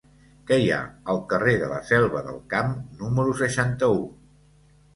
Què hi ha al carrer de la Selva del Camp número seixanta-u?